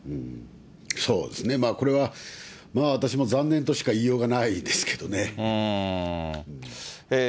そうですね、これは私も残念としか言いようがないですけどね。